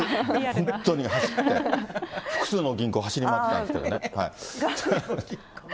本当に走って、複数の銀行走り回ってたんですけどね。